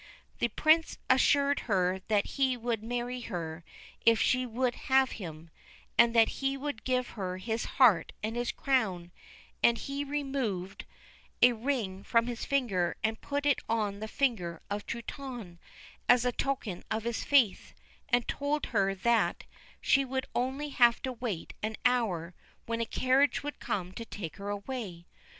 The Prince assured her that he would marry her if she would have him, and that he would give her his heart and his crown ; and he removed 85 THE BLUE BIRD a ring from his finger and put it on the finger of Truitonne, as a token of his faith, and told her that she would only have to wait an hour, when a carriage would come to take her away.